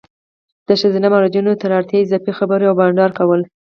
د ښځینه مراجعینو تر اړتیا اضافي خبري او بانډار کول